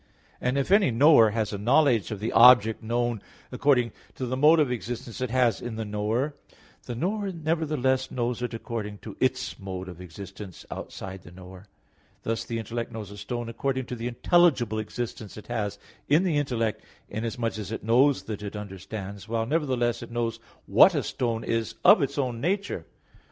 And if any knower has a knowledge of the object known according to the (mode of) existence it has in the knower, the knower nevertheless knows it according to its (mode of) existence outside the knower; thus the intellect knows a stone according to the intelligible existence it has in the intellect, inasmuch as it knows that it understands; while nevertheless it knows what a stone is in its own nature.